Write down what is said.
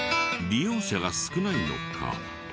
利用者が少ないのか。